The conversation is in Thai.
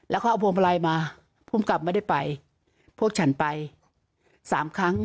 แล้วเขาเอาพวงมาลัยมาภูมิกับไม่ได้ไปพวกฉันไปสามครั้ง